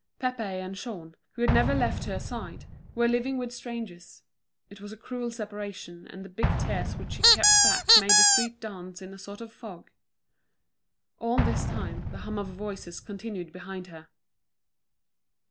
Pépé and Jean, who had never left her side, were living with strangers; it was a cruel separation, and the big tears which she kept back made the street dance in a sort of fog. All this time, the hum of voices continued behind her.